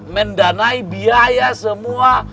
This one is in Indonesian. mendanai biaya semua